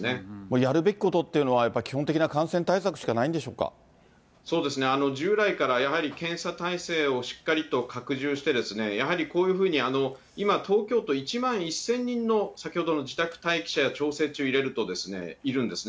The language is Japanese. やるべきことっていうのはやっぱり基本的な感染対策しかないそうですね、従来からやはり検査体制をしっかりと拡充して、やはりこういうふうに今、東京都１万１０００人の先ほどの自宅待機者や調整中を入れるといるんですね。